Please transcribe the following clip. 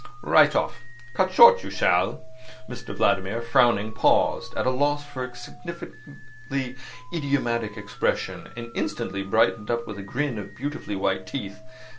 Right off. Cut short. You shall—" Mr Vladimir, frowning, paused, at a loss for a sufficiently idiomatic expression, and instantly brightened up, with a grin of beautifully white teeth.